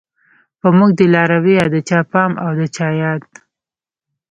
په موږ دی لارويه د چا پام او د چا ياد